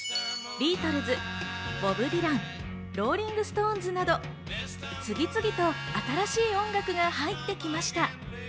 ビートルズ、ボブ・ディラン、ローリング・ストーンズなど、次々と新しい音楽が入ってきました。